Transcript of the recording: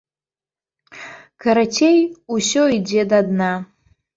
Карацей, усё ідзе да дна.